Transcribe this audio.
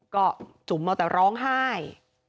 ก็จุ๋มเอาแต่ร้องไห้